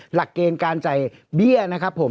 หลักเกณฑ์การจ่ายเบี้ยนะครับผม